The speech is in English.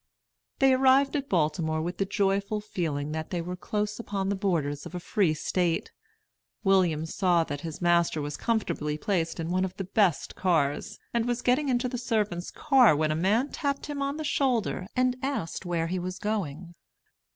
They arrived at Baltimore with the joyful feeling that they were close upon the borders of a Free State. William saw that his master was comfortably placed in one of the best cars, and was getting into the servants' car when a man tapped him on the shoulder and asked where he was going.